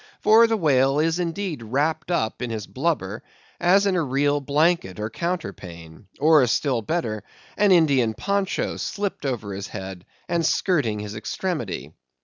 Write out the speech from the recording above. For the whale is indeed wrapt up in his blubber as in a real blanket or counterpane; or, still better, an Indian poncho slipt over his head, and skirting his extremity.